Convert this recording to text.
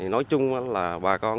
nói chung là bà con